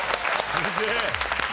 すげえ。